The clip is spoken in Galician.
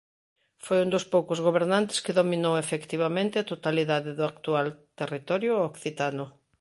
Foi un dos poucos gobernantes que dominou efectivamente a totalidade do actual territorio occitano.